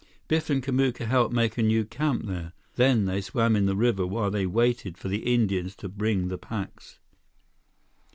Biff and Kamuka helped make a new camp there. Then they swam in the river while they waited for the Indians to bring the packs.